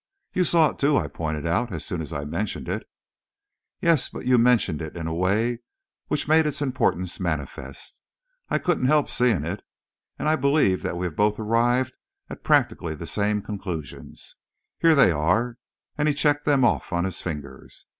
"You saw it, too," I pointed out, "as soon as I mentioned it." "Yes; but you mentioned it in a way which made its importance manifest. I couldn't help seeing it. And I believe that we have both arrived at practically the same conclusions. Here they are," and he checked them off on his fingers.